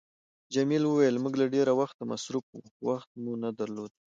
جميلې وويل: موږ له ډېره وخته مصروفه وو، وخت مو نه درلود.